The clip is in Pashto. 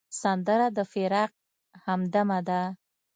سندره د فراق همدمه ده